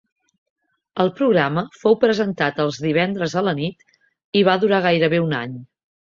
El programa fou presentat els divendres a la nit i va durar gairebé un any.